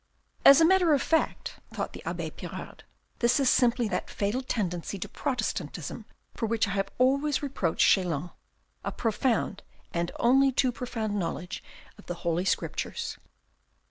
"As a matter of fact," thought the abbe Pirard, "this is simply that fatal tendency to Protestantism for which I have always reproached Chelan. A profound, and only too profound knowledge of the Holy Scriptures."